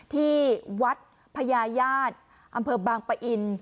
ที่วัดพญาญาติอำเภอบางปะอิน